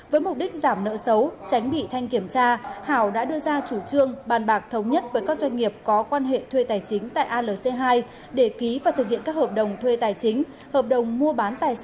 với mục đích giảm nợ xấu tránh bị thanh kiểm tra hảo đã đưa ra chủ trương bàn bạc thống nhất với các doanh nghiệp có quan hệ thuê tài chính tại alc hai để ký và thực hiện các hợp đồng thuê tài chính hợp đồng mua bán tài sản